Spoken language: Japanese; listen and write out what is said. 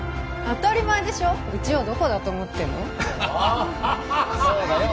当たり前でしょうちをどこだと思ってるのそうだよ